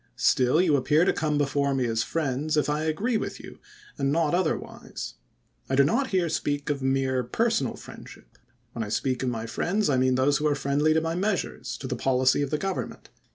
Still you appear to come before me as my friends, if I agree with you, and not otherwise. I do not here speak of mere personal friendship, ^^^len I speak of my friends I mean those who are friendly to my measui'es, to the policy of the Government.